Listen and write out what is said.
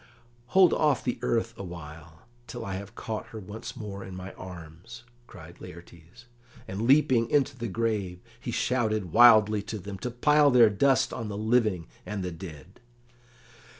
"Hold off the earth awhile, till I have caught her once more in my arms," cried Laertes; and, leaping into the grave, he shouted wildly to them to pile their dust on the living and the dead.